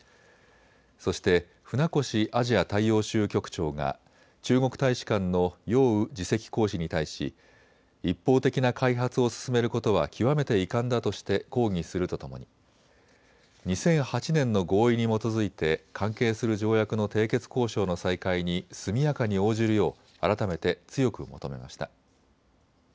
そして船越アジア大洋州局長が中国大使館の楊宇次席公使に対し、一方的な開発を進めることは極めて遺憾だとして抗議するとともに２００８年の合意に基づいて関係する条約の締結交渉の再開に速やかに応じるよう改めて強く求めました。